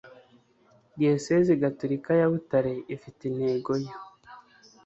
diyosezi gatolika ya butare ifite intego yo